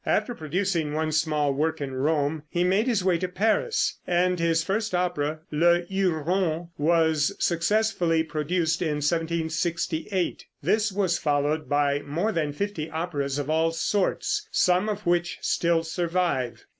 After producing one small work in Rome, he made his way to Paris, and his first opera, "Le Huron," was successfully produced in 1768. This was followed by more than fifty operas of all sorts, some of which still survive.